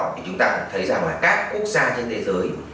thì chúng ta cũng thấy rằng là các quốc gia trên thế giới